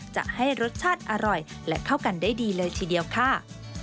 จะให้รสชาติอร่อยและเข้ากันได้ดีเลยทีเดียวค่ะ